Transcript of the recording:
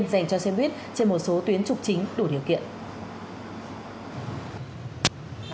dành cho xe buýt trên một số tuyến trục chính đủ điều kiện